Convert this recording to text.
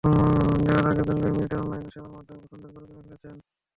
যাওয়ার আগে বেঙ্গল মিটের অনলাইন সেবার মাধ্যমে পছন্দের গরু কিনে ফেলেছেন।